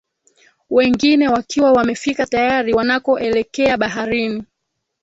Wengine wakiwa wamefika tayari wanakoelekea baharini